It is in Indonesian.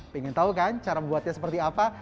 pengen tahu kan cara membuatnya seperti apa